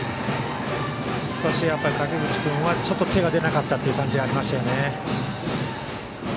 少し垣淵君は手が出なかったという感じがありましたね。